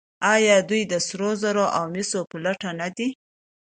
آیا دوی د سرو زرو او مسو په لټه نه دي؟